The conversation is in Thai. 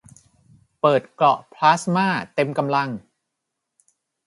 เปิดเกราะพลาสม่าเต็มกำลัง